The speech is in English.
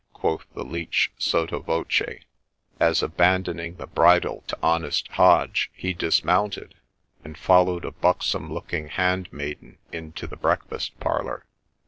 quoth the Leech sotto voce, as, abandoning the bridle to honest Hodge, he dismounted, and followed a buxom looking hand maiden into the breakfast parlour.